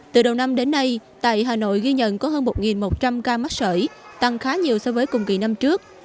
từ đầu năm đến nay tại hà nội ghi nhận có hơn một một trăm linh ca mắc sởi tăng khá nhiều so với cùng kỳ năm trước